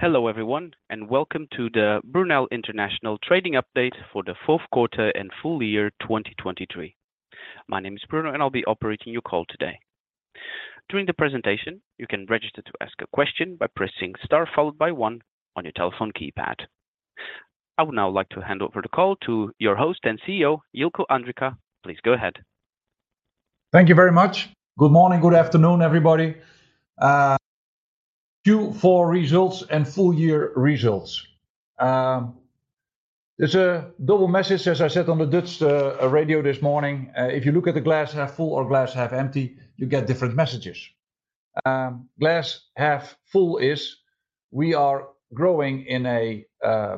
Hello everyone and welcome to the Brunel International Trading Update for the 4th quarter and full year 2023. My name is Bruno and I'll be operating your call today. During the presentation you can register to ask a question by pressing * followed by 1 on your telephone keypad. I would now like to hand over the call to your host and CEO Jilko Andringa, please go ahead. Thank you very much. Good morning, good afternoon everybody. Q4 results and full year results. There's a double message as I said on the Dutch radio this morning. If you look at the glass half full or glass half empty you get different messages. Glass half full is we are growing in a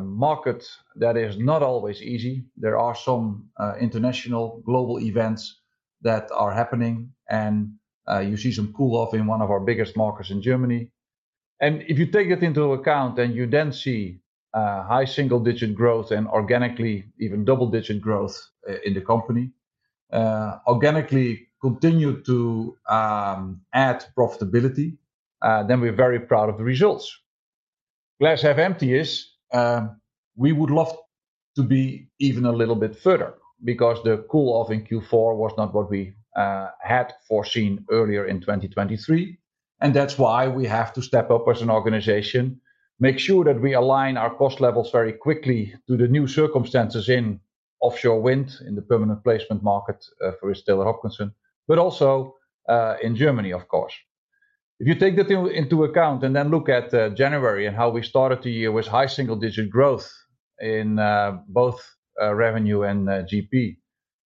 market that is not always easy. There are some international global events that are happening and you see some cool off in one of our biggest markets in Germany. And if you take that into account and you then see high single digit growth and organically even double digit growth in the company, organically continue to add profitability, then we're very proud of the results. Glass half empty is we would love to be even a little bit further because the cool off in Q4 was not what we had foreseen earlier in 2023. And that's why we have to step up as an organization, make sure that we align our cost levels very quickly to the new circumstances in offshore wind in the permanent placement market, for Taylor Hopkinson, but also, in Germany, of course. If you take that into account and then look at January and how we started the year with high single-digit growth in both revenue and GP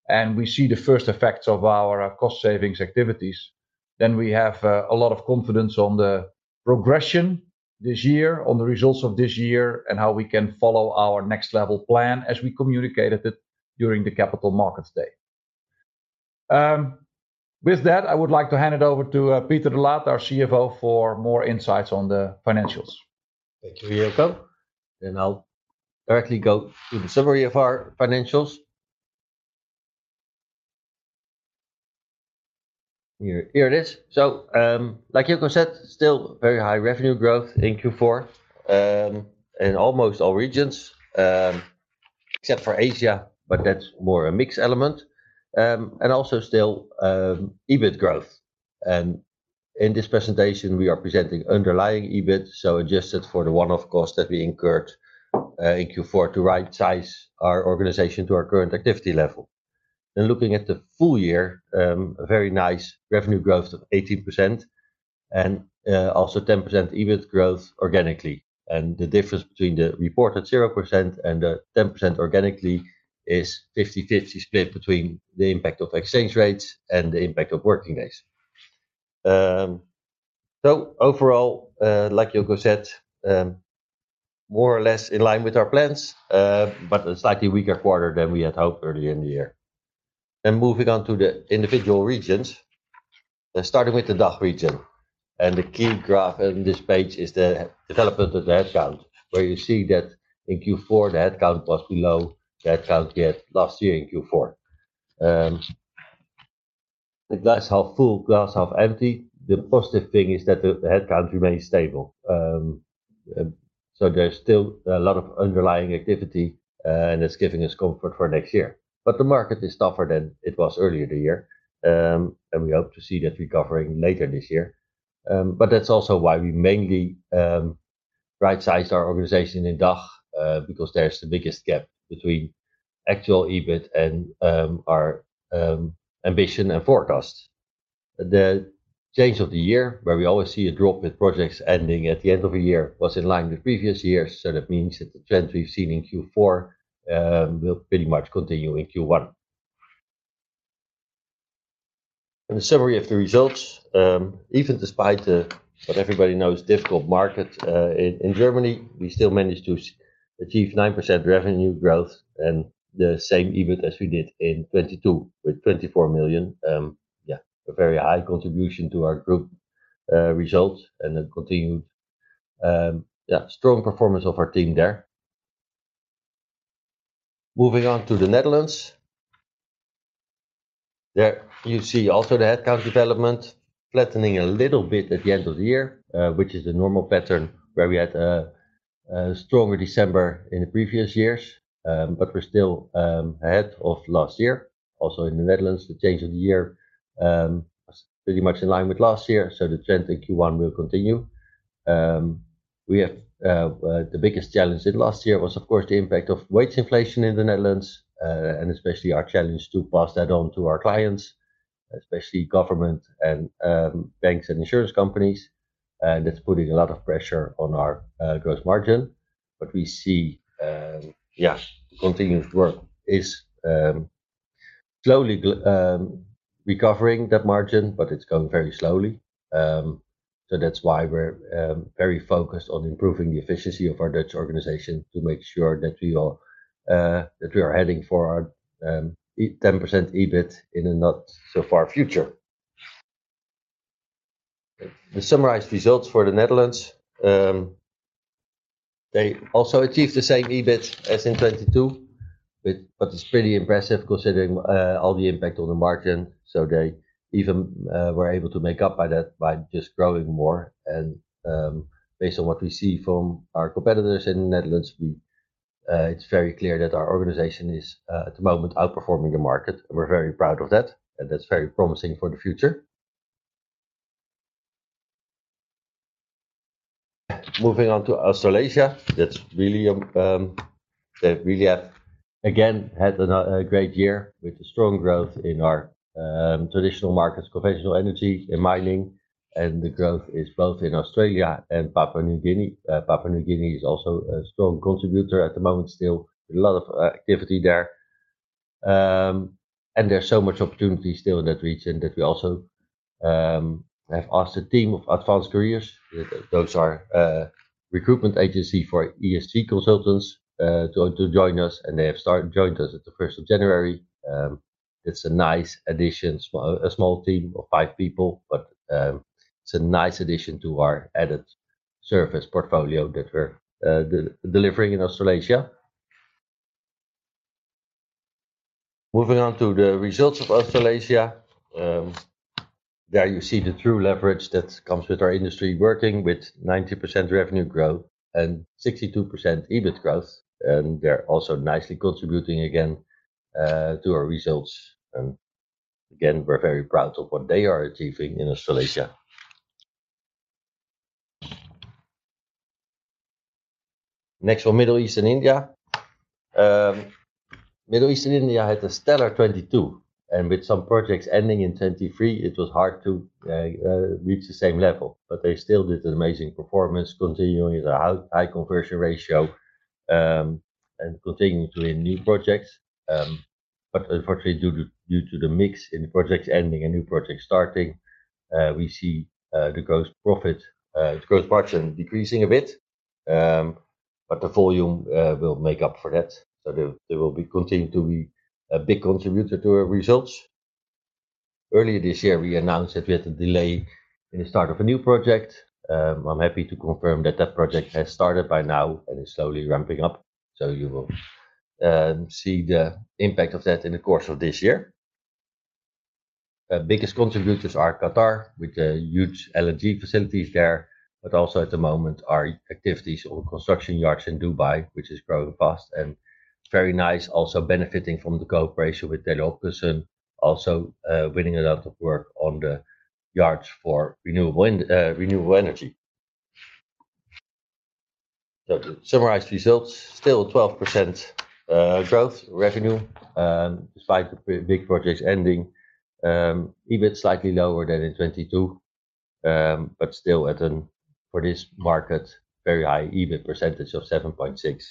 and we see the first effects of our cost savings activities then we have a lot of confidence on the progression this year, on the results of this year and how we can follow our next level plan as we communicated it during the Capital Markets Day. With that I would like to hand it over to Peter de Laat, our CFO, for more insights on the financials. Thank you, Jilko. I'll directly go to the summary of our financials. Here, here it is. So, like Jilko said, still very high revenue growth in Q4, in almost all regions, except for Asia, but that's more a mixed element. Also still, EBIT growth. In this presentation we are presenting underlying EBIT, so adjusted for the one-off cost that we incurred, in Q4 to right size our organization to our current activity level. Looking at the full year, very nice revenue growth of 18% and, also 10% EBIT growth organically. The difference between the reported 0% and the 10% organically is 50/50 split between the impact of exchange rates and the impact of working days. So overall, like Jilko said, more or less in line with our plans, but a slightly weaker quarter than we had hoped earlier in the year. Moving on to the individual regions, starting with the DACH region. The key graph on this page is the development of the headcount, where you see that in Q4 the headcount was below the headcount from last year in Q4. The glass half full, glass half empty, the positive thing is that the headcount remains stable. So there's still a lot of underlying activity, and it's giving us comfort for next year. But the market is tougher than it was earlier this year, and we hope to see that recovering later this year. But that's also why we mainly right-sized our organization in DACH, because there's the biggest gap between actual EBIT and our ambition and forecast. The change of the year where we always see a drop with projects ending at the end of a year was in line with previous years, so that means that the trend we've seen in Q4 will pretty much continue in Q1. The summary of the results, even despite the, what everybody knows, difficult market, in Germany we still managed to achieve 9% revenue growth and the same EBIT as we did in 2022 with 24 million. Yeah, a very high contribution to our group results and a continued, yeah, strong performance of our team there. Moving on to the Netherlands. There you see also the headcount development flattening a little bit at the end of the year, which is the normal pattern where we had a stronger December in the previous years, but we're still ahead of last year. Also in the Netherlands, the change of the year was pretty much in line with last year, so the trend in Q1 will continue. We have the biggest challenge in last year was of course the impact of wage inflation in the Netherlands, and especially our challenge to pass that on to our clients, especially government and banks and insurance companies, and that's putting a lot of pressure on our gross margin. But we see, yeah, continuous work is slowly recovering that margin, but it's going very slowly. So that's why we're very focused on improving the efficiency of our Dutch organization to make sure that we all, that we are heading for our 10% EBIT in a not so far future. The summarized results for the Netherlands, they also achieved the same EBIT as in 2022, but it's pretty impressive considering all the impact on the margin, so they even were able to make up by that by just growing more. Based on what we see from our competitors in the Netherlands, it's very clear that our organization is at the moment outperforming the market and we're very proud of that and that's very promising for the future. Moving on to Australasia, that's really they really have again had a great year with a strong growth in our traditional markets, conventional energy and mining, and the growth is both in Australia and Papua New Guinea. Papua New Guinea is also a strong contributor at the moment still with a lot of activity there. There's so much opportunity still in that region that we also have asked a team of Advance Careers, those are recruitment agencies for ESG consultants, to join us and they have joined us at the first of January. It's a nice addition, a small team of five people, but it's a nice addition to our added service portfolio that we're delivering in Australasia. Moving on to the results of Australasia, there you see the true leverage that comes with our industry working with 90% revenue growth and 62% EBIT growth, and they're also nicely contributing again to our results and again we're very proud of what they are achieving in Australasia. Next for Middle East and India. Middle East and India had a stellar 2022 and with some projects ending in 2023 it was hard to reach the same level, but they still did an amazing performance continuing with a high conversion ratio, and continuing to win new projects. But unfortunately due to the mix in projects ending and new projects starting, we see the gross profit, the gross margin decreasing a bit, but the volume will make up for that, so they will continue to be a big contributor to our results. Earlier this year we announced that we had a delay in the start of a new project. I'm happy to confirm that that project has started by now and is slowly ramping up, so you will see the impact of that in the course of this year. biggest contributors are Qatar with the huge LNG facilities there, but also at the moment our activities on construction yards in Dubai which is growing fast and very nice also benefiting from the cooperation with Taylor Hopkinson, also winning a lot of work on the yards for renewable energy. So the summarized results still 12% growth revenue, despite the big projects ending, EBIT slightly lower than in 2022, but still at a, for this market, very high EBIT percentage of 7.6%,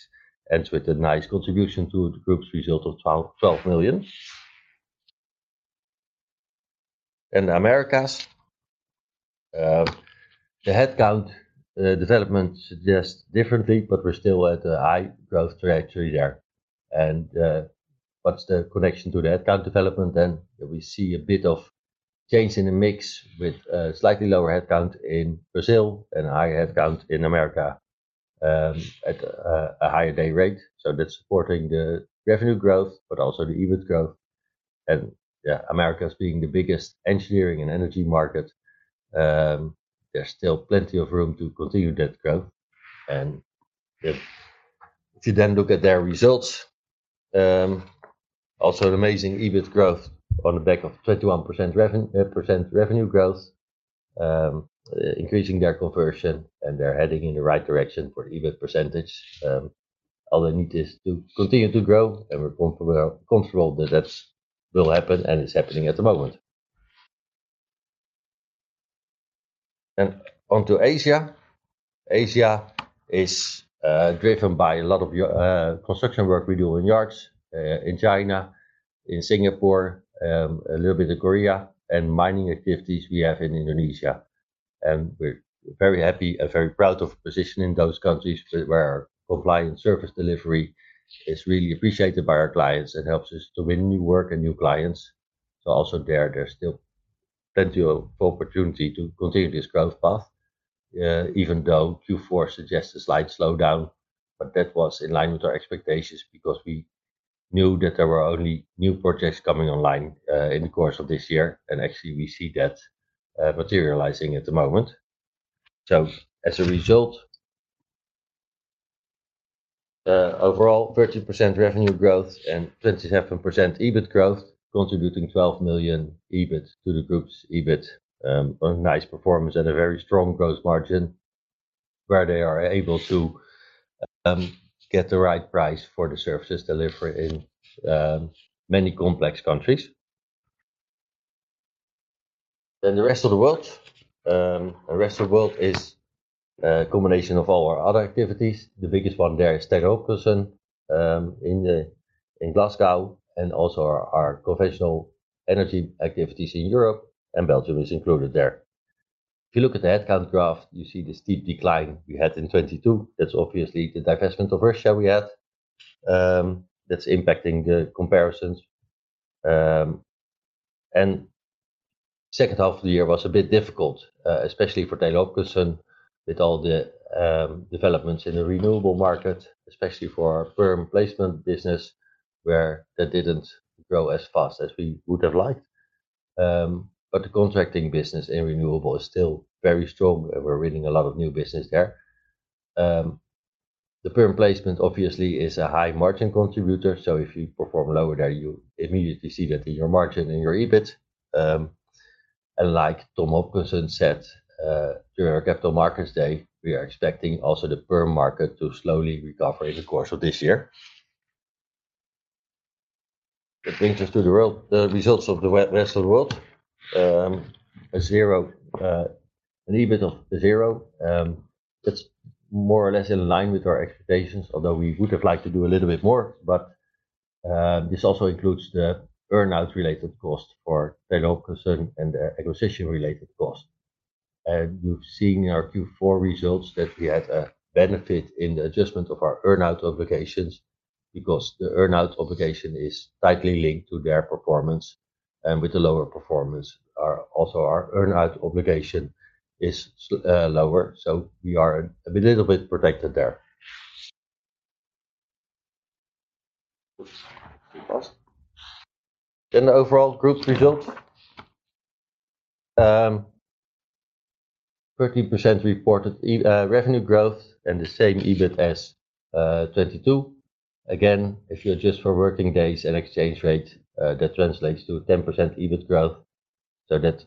ends with a nice contribution to the group's result of 12 million. And Americas. The headcount development suggests differently, but we're still at a high growth trajectory there. And, what's the connection to the headcount development then? We see a bit of change in the mix with a slightly lower headcount in Brazil and a higher headcount in America, at a higher day rate, so that's supporting the revenue growth but also the EBIT growth. Yeah, America's being the biggest engineering and energy market, there's still plenty of room to continue that growth. If you then look at their results, also an amazing EBIT growth on the back of 21% revenue growth, increasing their conversion and they're heading in the right direction for the EBIT percentage. All they need is to continue to grow and we're comfortable that that will happen and it's happening at the moment. Onto Asia. Asia is driven by a lot of your construction work we do in yards, in China, in Singapore, a little bit of Korea, and mining activities we have in Indonesia. And we're very happy and very proud of positioning those countries where our compliant service delivery is really appreciated by our clients and helps us to win new work and new clients. So also there there's still plenty of opportunity to continue this growth path, even though Q4 suggests a slight slowdown, but that was in line with our expectations because we knew that there were only new projects coming online in the course of this year and actually we see that materializing at the moment. So as a result, overall 30% revenue growth and 27% EBIT growth, contributing 12 million EBIT to the group's EBIT, a nice performance and a very strong gross margin, where they are able to get the right price for the services delivered in many complex countries. Then the rest of the world, the rest of the world is a combination of all our other activities. The biggest one there is Taylor Hopkinson, in Glasgow and also our conventional energy activities in Europe and Belgium is included there. If you look at the headcount graph you see this deep decline we had in 2022, that's obviously the divestment of Russia we had, that's impacting the comparisons. And the second half of the year was a bit difficult, especially for Taylor Hopkinson with all the developments in the renewable market, especially for our perm placement business where that didn't grow as fast as we would have liked. But the contracting business in renewable is still very strong and we're winning a lot of new business there. The perm placement obviously is a high margin contributor, so if you perform lower there you immediately see that in your margin and your EBIT. And like Tom Hopkinson said, during our Capital Markets Day we are expecting also the perm market to slowly recover in the course of this year. That brings us to the world, the results of the rest of the world. A 0, an EBIT of 0, that's more or less in line with our expectations, although we would have liked to do a little bit more, but this also includes the earnout related cost for Taylor Hopkinson and the acquisition related cost. You've seen in our Q4 results that we had a benefit in the adjustment of our Earnout obligations because the Earnout obligation is tightly linked to their performance and with the lower performance our also our Earnout obligation is also lower, so we are a little bit protected there. The overall group results. 30% reported revenue growth and the same EBIT as 2022. Again, if you adjust for working days and exchange rate, that translates to a 10% EBIT growth, so that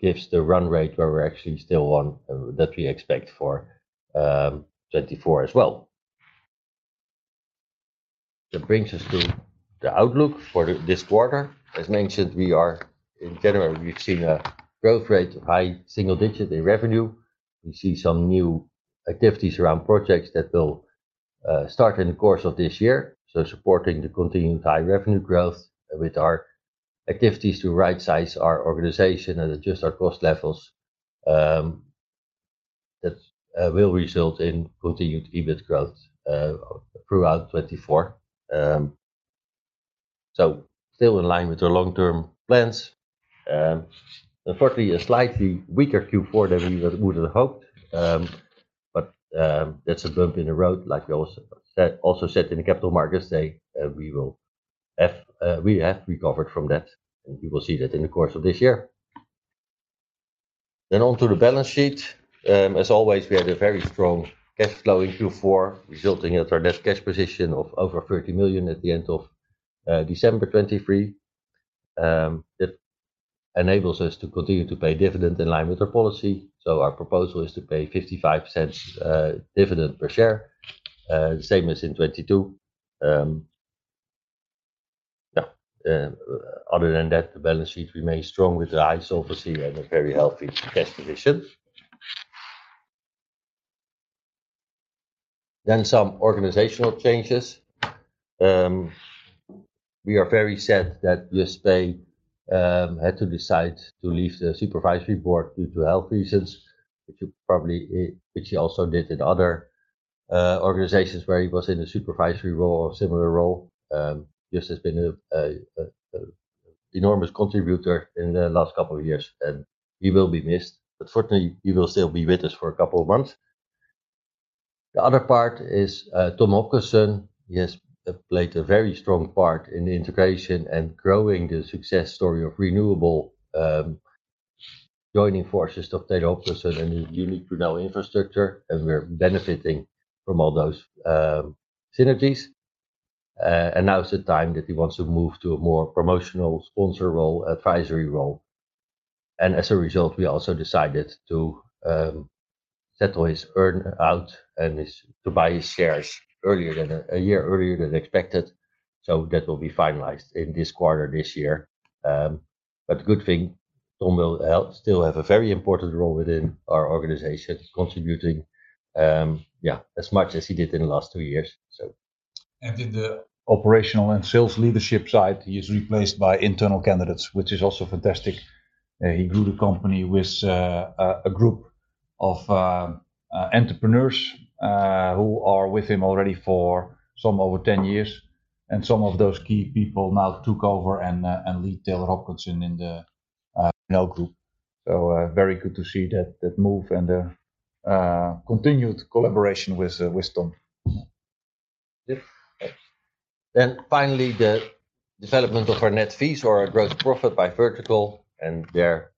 gives the run rate where we're actually still on that we expect for 2024 as well. That brings us to the outlook for this quarter. As mentioned we are in January we've seen a growth rate of high single digit in revenue. We see some new activities around projects that will start in the course of this year, so supporting the continued high revenue growth with our activities to right size our organization and adjust our cost levels, that will result in continued EBIT growth throughout 2024. So still in line with our long-term plans. Unfortunately a slightly weaker Q4 than we would have hoped, but that's a bump in the road like we also said also said in the Capital Markets Day and we will have, we have recovered from that and you will see that in the course of this year. Then on to the balance sheet. As always we had a very strong cash flow in Q4 resulting in our net cash position of over 30 million at the end of December 2023. That enables us to continue to pay dividend in line with our policy, so our proposal is to pay 0.55 dividend per share, the same as in 2022. Yeah, other than that the balance sheet remains strong with the high solvency and a very healthy cash position. Then some organizational changes. We are very sad that Just Spee had to decide to leave the Supervisory Board due to health reasons, which you probably, which he also did in other organizations where he was in a supervisory role or similar role. Just Spee has been a, an enormous contributor in the last couple of years and he will be missed, but fortunately he will still be with us for a couple of months. The other part is, Tom Hopkinson, he has played a very strong part in the integration and growing the success story of renewable, joining forces of Taylor Hopkinson and his unique Brunel infrastructure and we're benefiting from all those, synergies. And now it's the time that he wants to move to a more promotional sponsor role, advisory role, and as a result we also decided to, settle his earnout and his to buy his shares earlier than, a year earlier than expected, so that will be finalized in this quarter this year. But good thing Tom will still have a very important role within our organization contributing, yeah, as much as he did in the last two years, so. And in the operational and sales leadership side he is replaced by internal candidates which is also fantastic. He grew the company with a group of entrepreneurs who are with him already for some over 10 years, and some of those key people now took over and lead Taylor Hopkinson in the Brunel group. So, very good to see that move and the continued collaboration with Tom. Then, finally, the development of our net fees or our gross profit by vertical, and there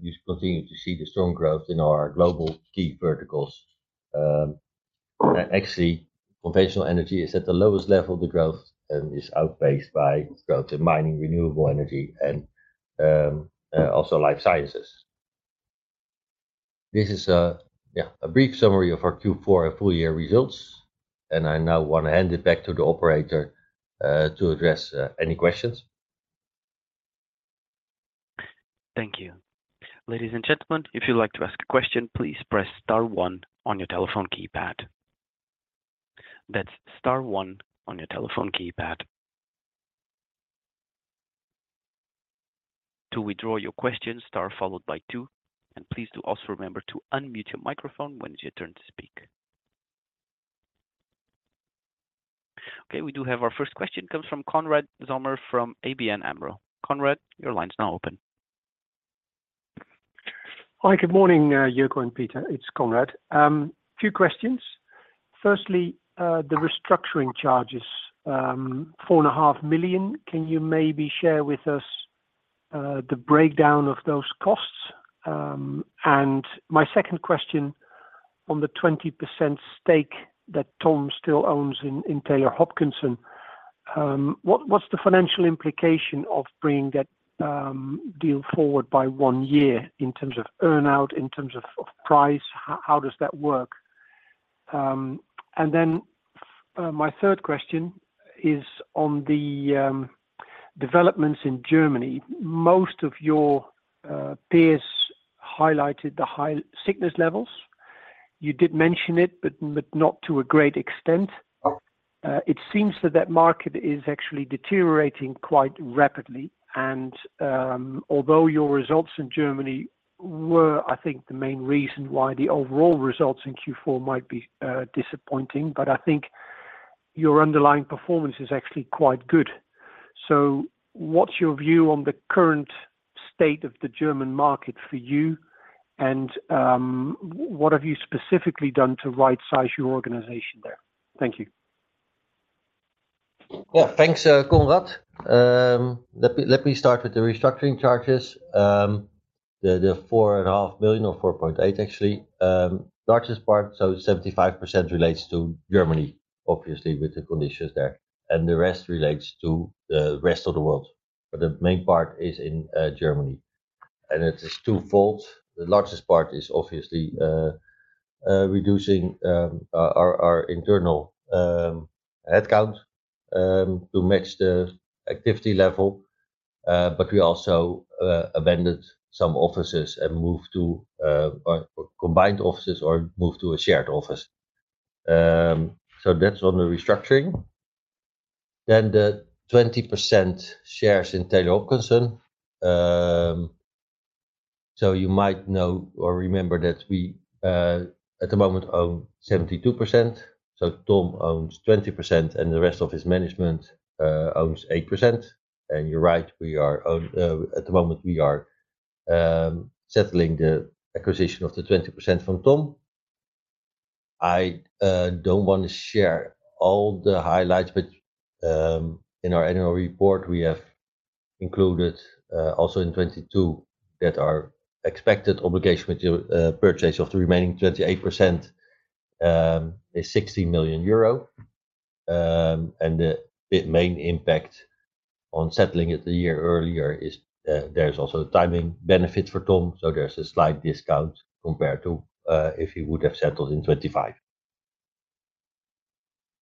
you continue to see the strong growth in our global key verticals. Actually, conventional energy is at the lowest level of the growth and is outpaced by growth in mining, renewable energy, and also life sciences. This is, yeah, a brief summary of our Q4 and full year results, and I now want to hand it back to the operator to address any questions. Thank you. Ladies and gentlemen, if you'd like to ask a question please press star one on your telephone keypad. That's star one on your telephone keypad. To withdraw your question star followed by two and please do also remember to unmute your microphone when it's your turn to speak. Okay, we do have our first question, it comes from Konrad Zomer from ABN AMRO. Konrad, your line's now open. Hi, good morning, Jilko and Peter, it's Konrad. Few questions. Firstly, the restructuring charges, 4.5 million, can you maybe share with us, the breakdown of those costs? And my second question, on the 20% stake that Tom still owns in Taylor Hopkinson, what's the financial implication of bringing that, deal forward by one year in terms of earnout, in terms of price, how does that work? And then, my third question is on the, developments in Germany. Most of your peers highlighted the high sickness levels. You did mention it but not to a great extent. It seems that that market is actually deteriorating quite rapidly and although your results in Germany were, I think, the main reason why the overall results in Q4 might be disappointing, but I think your underlying performance is actually quite good. So what's your view on the current state of the German market for you and what have you specifically done to right size your organization there? Thank you. Yeah, thanks, Conrad. Let me start with the restructuring charges. The 4.5 million or 4.8 million actually, largest part so 75% relates to Germany obviously with the conditions there and the rest relates to the rest of the world, but the main part is in Germany. And it is twofold. The largest part is obviously reducing our internal headcount to match the activity level, but we also abandoned some offices and moved to, or combined offices or moved to a shared office. So that's on the restructuring. Then the 20% shares in Taylor Hopkinson, so you might know or remember that we at the moment own 72%, so Tom owns 20% and the rest of his management owns 8%, and you're right we own, at the moment we are settling the acquisition of the 20% from Tom. I don't want to share all the highlights but in our annual report we have included also in 2022 that our expected obligation material purchase of the remaining 28% is 60 million euro. The main impact on settling it a year earlier is, there's also a timing benefit for Tom so there's a slight discount compared to, if he would have settled in 2025.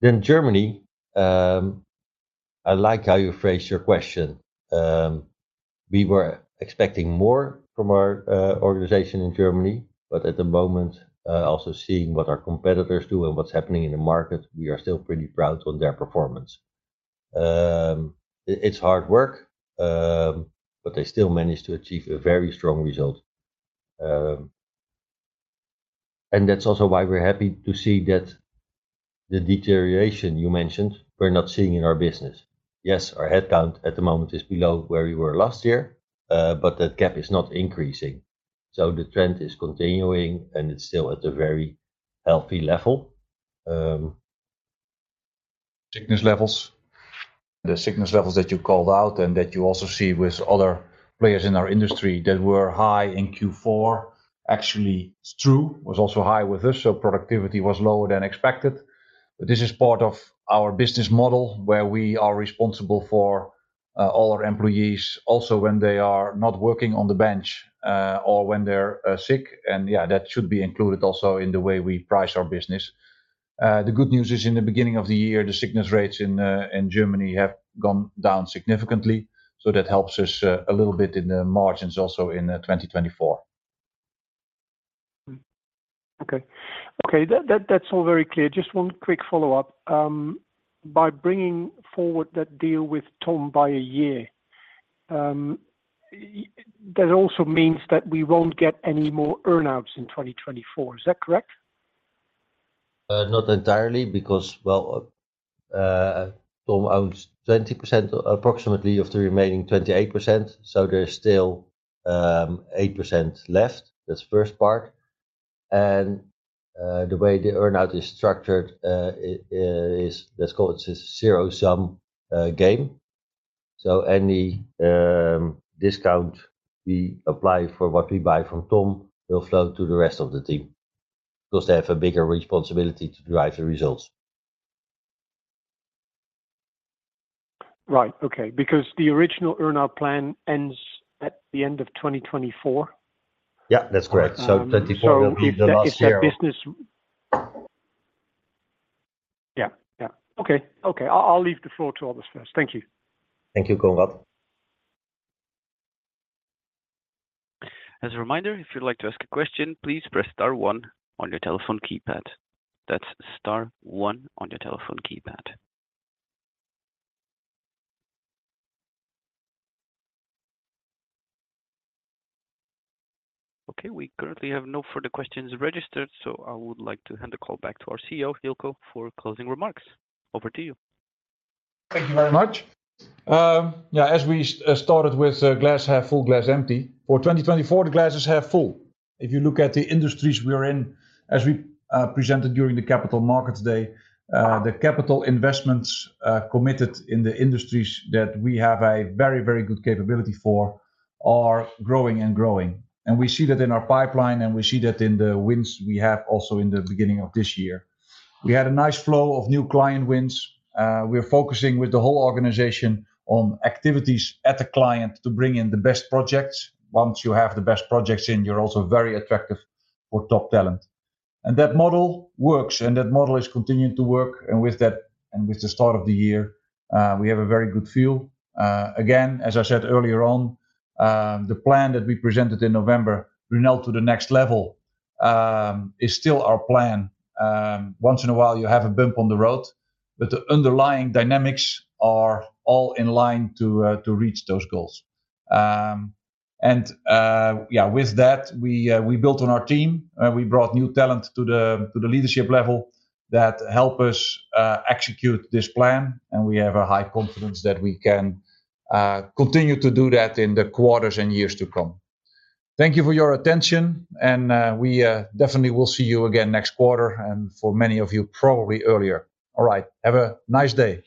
Then Germany, I like how you phrased your question. We were expecting more from our organization in Germany but at the moment, also seeing what our competitors do and what's happening in the market we are still pretty proud on their performance. It's hard work, but they still managed to achieve a very strong result. And that's also why we're happy to see that the deterioration you mentioned we're not seeing in our business. Yes, our headcount at the moment is below where we were last year, but that gap is not increasing, so the trend is continuing and it's still at a very healthy level. Sickness levels. The sickness levels that you called out and that you also see with other players in our industry that were high in Q4 actually is true, was also high with us so productivity was lower than expected. But this is part of our business model where we are responsible for all our employees also when they are not working on the bench, or when they're sick and yeah that should be included also in the way we price our business. The good news is in the beginning of the year the sickness rates in Germany have gone down significantly, so that helps us a little bit in the margins also in 2024. Okay, okay, that's all very clear. Just one quick follow-up. By bringing forward that deal with Tom by a year, that also means that we won't get any more earnouts in 2024, is that correct? Not entirely because, well, Tom owns 20% approximately of the remaining 28%, so there's still 8% left, that's the first part. The way the earnout is structured is let's call it a zero-sum game. So any discount we apply for what we buy from Tom will flow to the rest of the team, because they have a bigger responsibility to drive the results. Right, okay, because the original earnout plan ends at the end of 2024? Yeah, that's correct, so 2024 will be the last year. So it's that business. Yeah, yeah, okay, okay, I'll leave the floor to others first, thank you. Thank you, Konrad. As a reminder, if you'd like to ask a question please press star one on your telephone keypad. That's star one on your telephone keypad. Okay, we currently have no further questions registered, so I would like to hand the call back to our CEO, Jilko, for closing remarks. Over to you. Thank you very much. Yeah, as we started with, glass half full, glass empty. For 2024 the glass is half full. If you look at the industries we're in, as we presented during the Capital Markets Day, the capital investments committed in the industries that we have a very, very good capability for are growing and growing. And we see that in our pipeline and we see that in the wins we have also in the beginning of this year. We had a nice flow of new client wins. We're focusing with the whole organization on activities at the client to bring in the best projects. Once you have the best projects in you're also very attractive for top talent. That model works and that model is continuing to work and with that and with the start of the year, we have a very good feel. Again, as I said earlier on, the plan that we presented in November, Brunel to the Next Level, is still our plan. Once in a while you have a bump on the road, but the underlying dynamics are all in line to reach those goals. And, yeah, with that we built on our team and we brought new talent to the leadership level that help us execute this plan and we have a high confidence that we can continue to do that in the quarters and years to come. Thank you for your attention and we definitely will see you again next quarter and for many of you probably earlier. All right, have a nice day.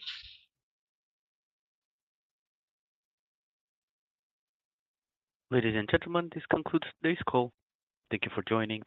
Ladies and gentlemen, this concludes today's call. Thank you for joining.